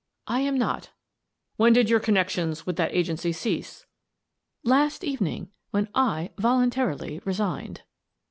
"lam not" "When did your connections with that agency cease?" "Last evening — when I voluntarily resigned."